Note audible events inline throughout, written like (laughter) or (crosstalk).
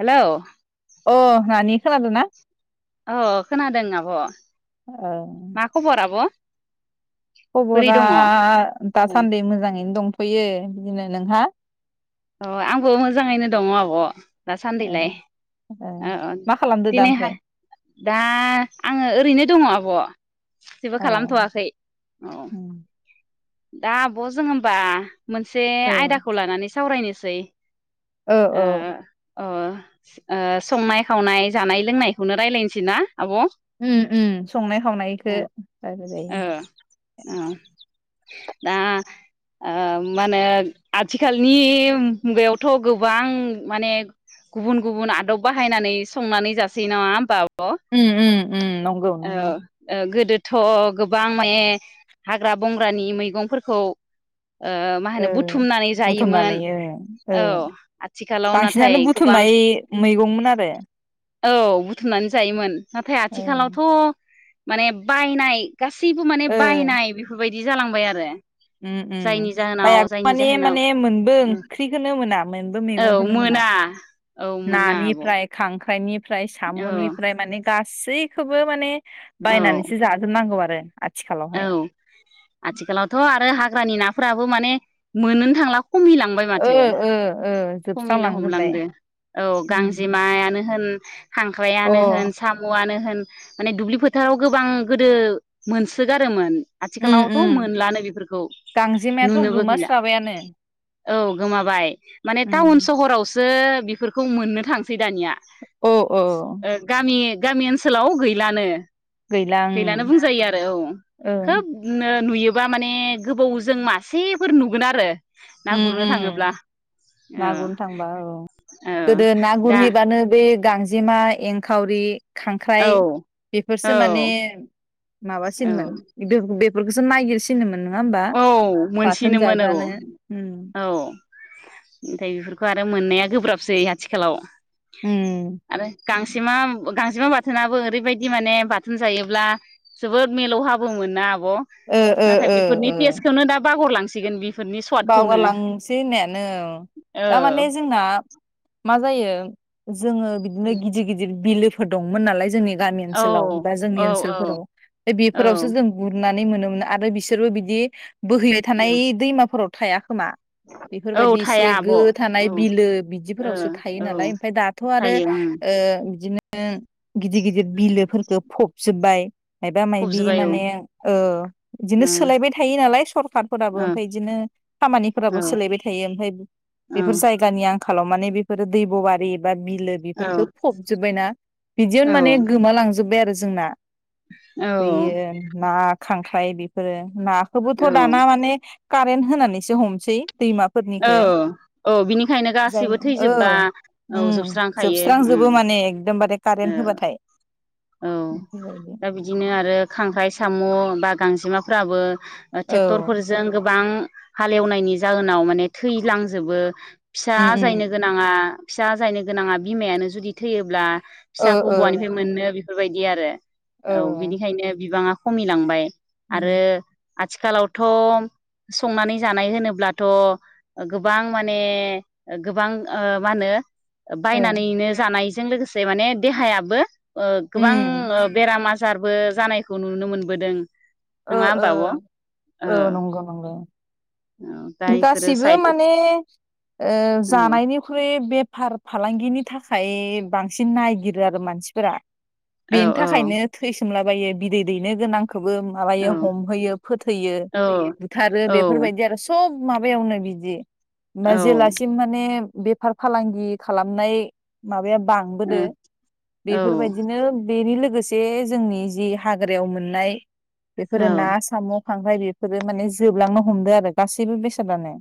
हेल' अ नानि खोनादोंना अ खोनादों आब' ओ मा खबर आब' बोरै खबरा दङ? दासान्दि मोजाङैनो दंथ'यो फैयो बिदिनो नोंहा अ आंबो मोजाङैनो दङ' आब' ओ दासान्दैलाय ओ औ मा खालामदो दा ओमफ्राय दिनैहाय दा आङो ओरैनो दङ आब' जेबो औ खालामथ'वाखै औ उम दा आब' जों होमबा मोनसे औ आयदाखौ लानानै सा सावरायनोसै औ ओ औ अ ओ संनाय खावनाय जानाय लोंनायखौनो रायज्लायनोसै ना आब' ओ उम उम संनाय खावनायखौ औ रायलायजायो दा मा होनो आथिखाल नि मुगायावथ' गोबां माने गुबुन गुबुन आदब बाहायनानै संनानै जासै नङा होमबा अ ओ उम उम उम नंगौ नंगौ ओ गोदो थ' गोबां माने हाग्रा बंग्रानि मैगंफोरखौ ओ मा होनो बुथुमनानै जायोमोन बुथुमनानै ओ औ आथिखालाव नाथाय बांसिनानो गोबां बुथुमनाय मैगंमोन आरो औ बुथुमनानै जायोमोन नाथाय औ आथिखालावथ' माने बायनाय गासैबो माने ओ बायनाय बेफोरबायदि बिदि जालांबाय आरो उम उम जायनि जाहोनाव जायनि माने जाहोनाव माने मोनबो ओंख्रिखौनो मोना मोनबो मैगंखौनो मोना औ मोना आब' नानिफ्राय खां फ्रानि फ्राय औ साम'निफ्राय माने गासैखौबो माने औ बायनानैसो जाजोबनांगौ आरो आथिखालावहाय औ आथिखालावथ' आरो हा ग्रानि नाफ्राबो माने मोननोनो थांला ओ ओ ओ खमैनो जोबस्रांलांजोबबाय हमलांदो औ उम गांजेमायानो होन अ खांख्रायानो होन साम'आनो होन माने दुब्लि फोथाराव गोबां गोदो मोनसोगारोमोन उम आथिखालावथ' उम मोनलानो बेफोरखौ गांजेमायाथ' नुनोबो गैला गोमास्राबायानो औ गोमाबाय माने टाउन उम सहराव सो बेफोरखौ मोननो थां सै दानिया औ औ ओ गामि गामि ओनसोलाव गैलानो गैला गैलानो ओं बुंजायो आरो औ ओं खोबनो नुयोबा माने गोबाव जों मासेफोर नुगोन आरो ना उम गुरनो उम थाङोब्ला ओ ना गुरनो थांबा औ ओ गोदो ना दा गुरहैबानो बे बे गांजेमा एंखावरि खांख्राइ औ बेफोरसो औ माने औ माबासिनमोन दो बे फोरखौसो नागिरसिनो मोन नङा होमबा औ बाथोन मोनसिनोमोन औ जाजानो औ ओमफाय बेफोरखौ आरो मोननाया गोब्राबसै आथिखालाव उम आरो गांसेमा गांजेमा बाथोनाबो ओरैबायदि माने बाथोन जायोब्ला जोबोद मिलौहाबो मोन ना ओ ओ ओ ओ टेसखौनो दा बावगारलां सिगोन बि बावगालांसै होननायानो थारमाने जोंना मा जायो जोङो बिदिनो गिदिर गिदिर बिलो फोर दंमोन नालाय जोंनि गामि औ ओनसोलाव बा जोंनि औ औ ओनसोलफोराव बेफोरावसो औ जों गुरनानै नानै मोनोन आरो बिसोरबो बिदि बोहैबाय औ थानाय दैमाफोराव थाया खोमा औ बेफोरबायदि थाया एसे आब' गो औ थानाय ओ बिलो बिदिफोरावसो थायो औ नालाय ओमफ्राय दाथ' आरो थायो ओं ओ बिदिनो ओं गिदिर गिदिर बिलोफोरखौ फबजोब्बाय मायबा मायाबि फबजोब्बाय औ माने ओ बिदिनो ओ सोलायबाय थायो नालाय सरखारफोराबो ओ ओमफ्राय बिदिनो ओ खामानिफोराबो औ सोलायबाय थायो ओमफाय बेफोर जायगानि आं खालामनानै बेफोरो दैब बारि बा बि बिलो औ बेफोरखौ फबजोबबायना बिदियावनो माने गोमालांजोबबाय आरो जोंना औ बेैयो ना खांख्राइ बेफोरो नाखौबोथ' दाना माने कारेन्ट होनानै एसे हमसै ओ दैमाफोरनिखौ औ बिनिखायनो जाय गाससिबो औ थैजोबबा औ उम जोबस्रांखायो ओम जोबस्रांजोबो माने एकदमबारे कारेन्ट ओ होबाथाय औ बेफोरबायदि दा बिदिनो आरो खांख्राइ साम' न' बा गांजेमाफ्राबो ओ औ ट्रेक्टरफोरजों गोबां हालेवनायनि जाहोनाव माने थैलांजोबो फिसा आजायनो गोनाङा फिसा आजायनो गोनाङा बिमायानो जुदि थैयोब्ला फिसाखौ बहानिफ्राय मोनो बे बेफोरबायदि आरो औ बिनिखायनो बिबाङा खमिलांबाय आरो आथिखालावथ' संनानै जानाय होनोब्लाथ' गोबां माने गोबां ओ मा होनो बायनानैनो जानाय जों लोगोसे माने देहायाबो गोबां बेरामा आजार जारबो जानायखौ नुनो मोनबोदों। ओ नङा ओ होमबा आब' औ औ नंगौ नंगौ। दा इफोरो गासिबो साइद माने ओ औ जानायनिख्रुइ बेफार फालांगिनि थाखाय बांसिन नायगिरो आरो मानसिफोरा औ बेनि थाखायनो थैसोमला बा बायो बिदै दैनो गोनां। बो औ माबायो हमहैयो फोथैयो औ बुथारो बेफोरबायदि आरो स सब माबायावनो बिदि मा औ जेलासिम माने बेफार फालांगि खालामनाय माबाया बांबोदो औ बेफोरबायदिनो बेनि लोगोसे लोगोसे जोंनि जि हाग्रायाव मोननाय बेफोरो ना साम' खांख्रारय बेफोरो माने जोबलांनो हमदों आरो। गासैबो बेसादानो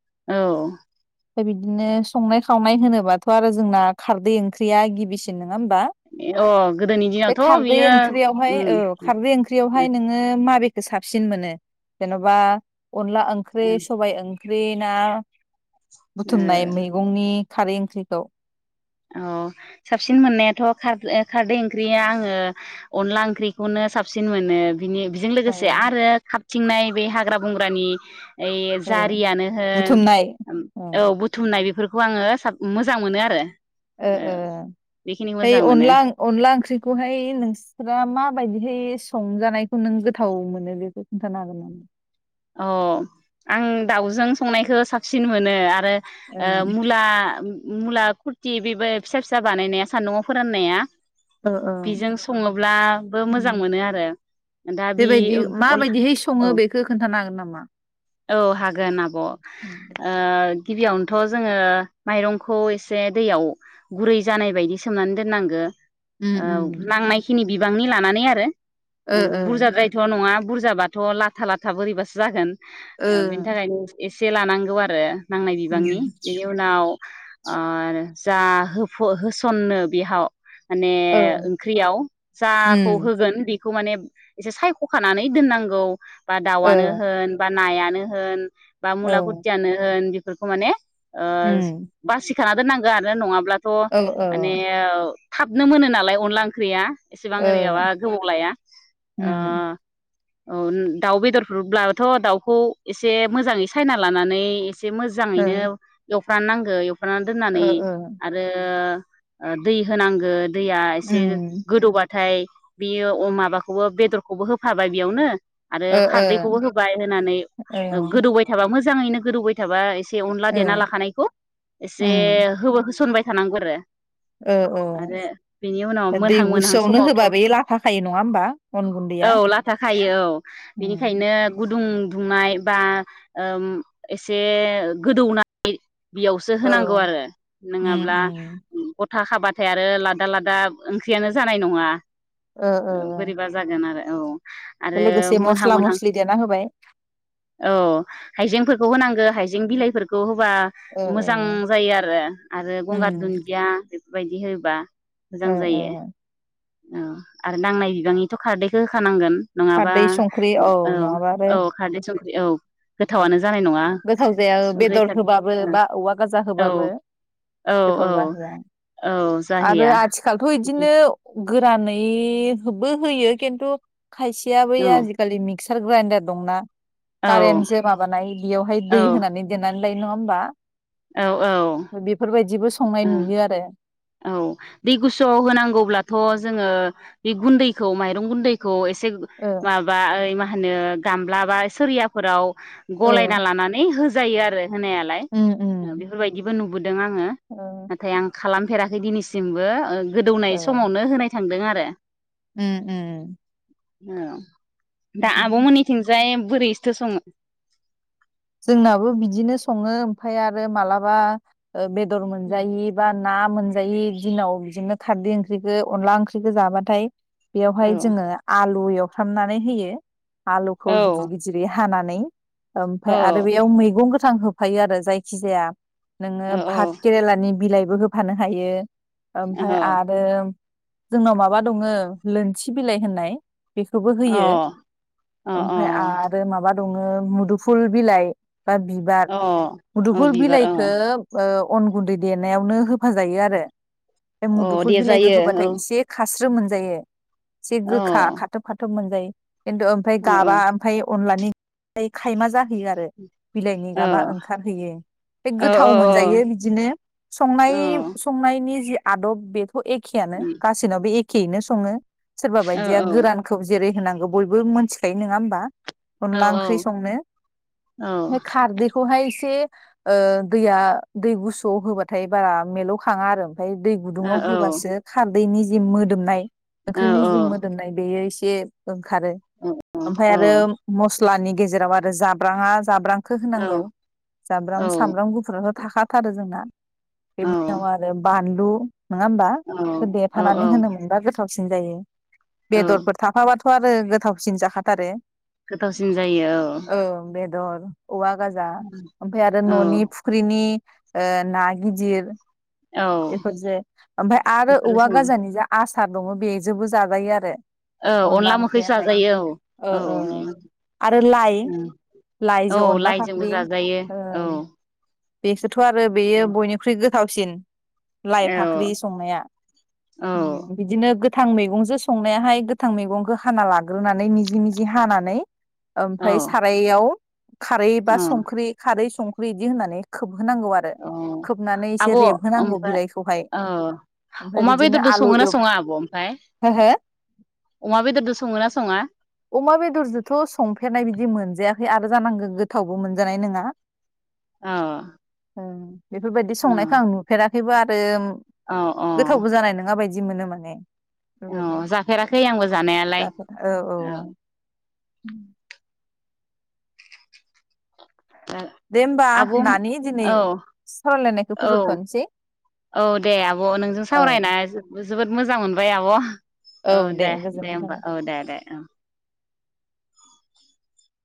औ ओमफाय बिदिनो संनाय खावनाय होनोबाथ' आरो जोंना खारदै ओंख्रिया गिबिसिन नङा होनबा अ गोदोनि बे दिनावथ' खारदै बियो ओंख्रियावहाय उम औ खारदै ओ ओंख्रियावहाय नोङो माबे साबसिन मोनो जेन'बा अनला ओंख्रि ओ सबाइ ओं बे ना बुथुमनाय ओ मैगंनि खारै ओंख्रिखौ औ साबसिन मोननायाथ' खर खारदै ओंख्रिया आङो अनला ओंख्रिखौनो साबसिन मोनो। बिनि बेजों ओ लोगोसे आरो। थिंनाय बे हाग्रा बंग्रानि इ ओ जारियानो होन बुथुमनाय ओ औ बुथुमनाय बेफोरखौ खौ आङो साब मोजां मोनो आरो। ओ ओ बेखिनिखौ ओमफ्राय मोजां मोनो अनला अनला ओंख्रिखौहाय नोंस्रा माबायदि ओमफ्राय संजानायखौ नों गोथाव मोनो बेखौ खिन्थानो हागोन नामा? अ आं दाउजों संनायखौ साबसिन मोनो आरो। आरो ओ ओं मुला मुला कुरथि बेबो फिसा फिसा बानायनाया सान्दुंआव फोराननाया ओ ओ बेजों सङोब्लाबो मोजां उम। मोनो आरो दा बे बेबायदि अनला औ मा औ हागोन आब' उम ओ गिबियावनोथ' जोङो माइरंखौ एसे दैयाव गुरै जानाय बायदि सोमनानै दोननांगो उम औ उम नांनाय खिनि बिबांनि लानानै आरो ओ बुरजाद्रायथ' नङा बुरजाबाथ' लाथा लाथा बोरैबासो जागोन ओ बिनि थाखायनो एसे एसे लानांगौ आरो नांनाय बिबांनि उम बेनि उनाव आरो जा होफ होसनो बेहाव माने ओ ओंख्रियाव जाखौ होगोन बे बेखौ माने एसे सायख'खानानै दोननांगौ बा दाउआनो होन नायानो होन बा मुला खुरथियानो होन बेखौ माने ओ उम बासि खाना दोननांगौ आरो नङाब्ला ओ माने थाबनो मोनो नालाय अनला ओंख्रिया एसेबां ओरैयाबा गोबाव लाया ओ उम औ दाउ बेदरफोरब्ला थ' दाउखौ एसे मोजाङै सायना लानानै एसे ओ मोजाङैनो एव राननांगो हाबनानै दोननानै ओ ओ आरो ओ दै होनांगोन दैया एसे उम गोदौबा नाथाय बियो ओ माबाखौबो बेदरखौबो होफाबाय बेयावनो आरो ओ उम ओ ओ खारदैखौबो होब बिदि होनानै ओ गोदौबाय थाबा मोजाङैनो गोदौबाय थाबा ए से अनला ओ देना लाखानायखौ एसे उम हो होसनबाय थानांगौ आरो ओ आरो बेनि उनाव ओ दै मोनहां मोनहां गुसुआवनो समावथ' होबा बे लाफाखायो नङा होमबा अन गुन्दैया औ लाथा उम दुं दुंनाय बा ओम एसे गोदौनाय बेयावसो औ होनांगौ आरो उम नङाब्ला उम गथा खाबा नाथाय आरो लादा लादा ओंख्रियानो जानाय नङा ओ ओ बोरैबा जागोन आरो औ आरो लोगोसे मोनहां मस्ला मोनहां मस्लि देना होबाय औ हायजेंफोर होनांगौ हायजें बिलाइफोरखौ होबा ओ मोजां जायो आरो आरो ओ गंगार दुन्दिया बेफोर बायदि होयोबा ओ ओ ओ आरो नांनाय बिबांनिथ' खारदैखौ होखानांगोन नङाबा खारदै संख्रि औ औ खारदै सं औ ओम गोथावानो जानाय नङा गोथाव जाया संख्रि बेदर खारदै होबाबो बा औवा गाजा औ होबाबो औ औ गोथाव जाहैया औ आरो जाहैया आथिखालथ' इदिनो गोरानैबो होयो खिन्थु खायसेय बै औ आजिखालि मि क्सार ग्रेइन्दडार दंना औ जे माबानाय बेयावहाय दै होनानै देना नै नङा होमबा औ औ बो संनाय नुयो आरो औ दै गुसुआव होनांगौब्लाथ' जोङो बे गुन्दैखौ माइरं गुन्दैखौ ए से ओ माबा ओइ मा होनो गामब्ला बा सिरियाफोराव गलायना औ लानानै हो जायो आरो होनायालाय उम उम बेफोरबायदिबो नु दों आङो ओ नाथाय आं खालाम दिनैसिमबो ओं गोदौनाय ओ समावनो होनाय थांदों आरो बे उम ओम औ दा आब' मोननिथिंजाय बोरै इस्थो सङो जोंनाबो बिदिनो सङो ओमफाय आरो मालाबा बेदर मोनजायो बार ना मोनजायि दिनाव बिदिनो खारदै ओंख्रिखौ अनला ओंख्रिखौ जाबाथाय औ बेवहाय जोङो आलु य हमनानै होयो आलुखौ औ गिदिर गिदिरै हाना नै औ आरो बेयाव मैंगं गोथां गोथां होफायो आरो जायखिजाया नोङो औ औ भात केरेलानि बिलाइ बेबो होफानो हायो अ ओमफ्राय आरो जोंनाव माबा दङ लोनथि बिलाइ होननाय बेखौबो होयो अ ओमफ्राय आरो माबा दङ मुदु फुल बिलाइ बा बिबार अ अ मुदुफुर बिबार अ बिलाइखौ अन गुन्दै देनायावनो होफाजायो आरो म अ मुफुल दे बिलाइखौ जायो औ होबाथाय एसे खास स्रो मोनजायो एसे अ औ गोखा खाथोब खाथोब मोन जायो खिन्थु ओमफ्राय औ गाबा ओमफ्राय अनलानि (unintelligible) थाइमा जाहैयो आरो बिलाइनि गाबा ओंखारहोयो बे औ गोथाव औ मोनजायो बिदिनो संनाय संनायनि जि आदब बे एखेयानो उम गासैनाबो ए खेनो सङो सोरबा औ बायदिया औ गोरानखौ जेरै होनांगौ बयबो मोनथिखायो नङा होमबा औ अनला ओंख्रि औ संनो खारदैखौहाय एसे ओ दैया दै गुसुयाव होबाथाय बारा मेलौ खाङा आरो ओमफ्राय दै औ गुदुंङाव होबासो खार दैनि जि मोदोमनाय ओंख्रिनि जि मोदोमनाय बेयो एसे ओं खारो ओमफ्राय आरो म स्लानि गेजेराव आरो जाब्रांङा जाब्रां खौ होनांगौ जाब्राम सामब्राम गुफुरथ' थाखा थारो जोंना बेनि उनाव आरो बान लु नङा होमबा औ देफानानै औ होनोम मोनबा गोथाव सिन जायो औ बेदरफोर थाफाबा थ' आरो गोथावसिन जाखाथारो गोथाव सिन जायो औ ओं (unintelligible) औवा गाजा ओमफ्राय आरो न'नि फुख्रिनि आ ना गिदिर औ बेफोर जे ओमफ्राय आरो बेफोरो औवा सङो गाजानि जा आ सार दङ बेजोंबो जाजायो आरो औ अनला मोखै जाजायो ओ औ ओ औ आरो लाइ औ लाइजों अनला लाइजोंबो फाख्रि जाजायो औ ओम बेसर थ' आरो बेयो बनिख्रुइ गो थावसिन लाइ औ फाख्रि संनाया औ बिदिनो गोथां मैगंजों संनायाहाय गोथां मैगंखौ हाना लाग्रोनानै मिजि मिजि हानानै ओमफ्राय सारायाव खारै बा औ संख्रि खारै संख बिदि होननानै खोब औ आब' रेबहोनांगौ ओमफ्राय बिलाइखौहाय औ ओमफ्राय अमा बिदिनो बेदरजों आलु सङोना एव सङा आब' ओमफ्राय हो हो अमा बेदरजों सङो ना सङा अमा बेदरजोंथ' संफेरनाय बिदि मोनजा खै आरो जानांगौ गोथावबो मोनजानाय नङा औ ओं बेफोरबायदि औ संनायखौ आं नुफेराखै बेबो आरो औ औ गोथावबो जानाय नङाबायदि बिदि मोनो माने औ बेफोरबायदि जाफेराखै आंबो जानायालाय औ उम दे होमबा आब' नानि दिनै औ सावरायलायनायखौ औ फोजोबथ'नोसै औ दे आब' नोंजों औ सावरायना जोबोर जोबोद मोजां मोनबाय आब' औ औ दे दे गोजोननाय होमबा थाबाय। औ दे दे ओ